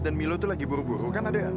dan milo itu lagi buru buru kan ada ya